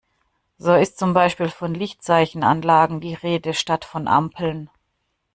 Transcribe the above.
So ist zum Beispiel von Lichtzeichenanlagen die Rede, statt von Ampeln.